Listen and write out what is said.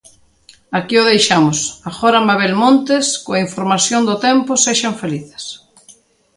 Aquí o deixamos, agora Mabel Montes coa información do tempo, sexan felices.